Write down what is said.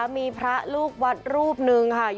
มีพระลูกวัดรูปหนึ่งค่ะ